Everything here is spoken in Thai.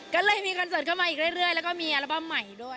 ก็เลยมีคอนเสิร์ตเข้ามาอีกเรื่อยแล้วก็มีอัลบั้มใหม่ด้วย